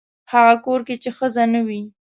هغه کور کې چې ښځه نه وي.